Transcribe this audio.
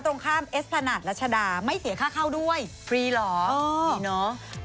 ตรงข้ามเอสพนาทรัชดาไม่เสียค่าเข้าด้วยฟรีเหรอนี่เนอะ